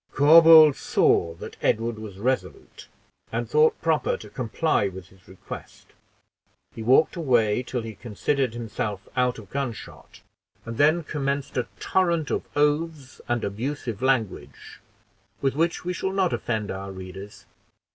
Corbould saw that Edward was resolute, and thought proper to comply with his request: he walked away till he considered himself out of gunshot, and then commenced a torrent of oaths and abusive language, with which we shall not offend our readers.